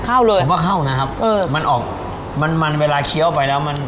เข้าเลยผมว่าเข้านะครับเออมันออกมันมันเวลาเคี้ยวไปแล้วมัน